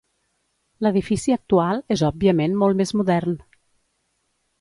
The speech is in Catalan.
L'edifici actual és òbviament molt més modern.